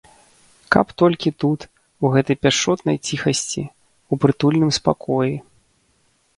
Каб толькі тут, у гэтай пяшчотнай ціхасці, у прытульным спакоі.